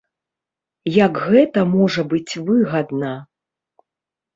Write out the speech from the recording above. Як гэта можа быць выгадна.